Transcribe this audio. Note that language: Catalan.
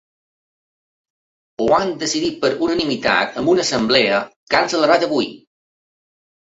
Ho han decidit per unanimitat en una assemblea que han celebrat avui.